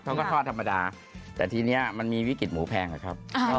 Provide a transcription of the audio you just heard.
เขาก็ทอดธรรมดาแต่ทีนี้มันมีวิกฤตหมูแพงอะครับ